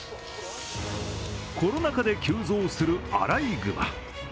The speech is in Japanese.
コロナ禍で急増するアライグマ。